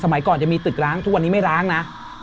ก่อนจะมีตึกร้างทุกวันนี้ไม่ร้างนะ